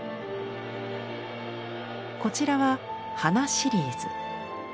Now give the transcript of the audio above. こちらは「花シリーズ」。